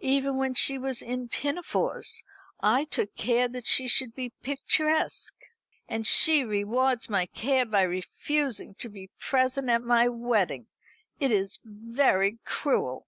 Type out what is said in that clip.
Even when she was in pinafores I took care that she should be picturesque. And she rewards my care by refusing to be present at my wedding. It is very cruel."